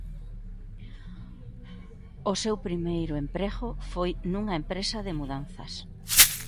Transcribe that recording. O seu primeiro emprego foi nunha empresa de mudanzas.